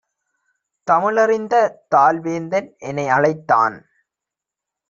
தமிழறிந்த தால்வேந்தன் எனை அழைத்தான்;